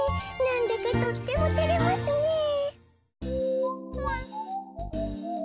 なんだかとってもてれますねえ。